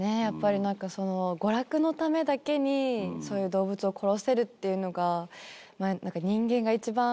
やっぱり何かその娯楽のためだけにそういう動物を殺せるっていうのが。